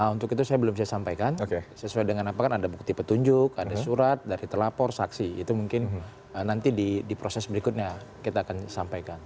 untuk itu saya belum bisa sampaikan sesuai dengan apakah ada bukti petunjuk ada surat dari terlapor saksi itu mungkin nanti di proses berikutnya kita akan sampaikan